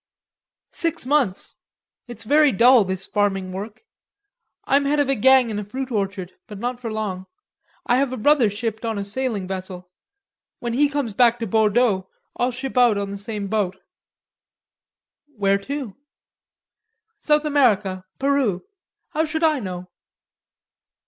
"Six months. It's very dull, this farming work. I'm head of a gang in a fruit orchard, but not for long. I have a brother shipped on a sailing vessel. When he comes back to Bordeaux, I'll ship on the same boat." "Where to?" "South America, Peru; how should I know?"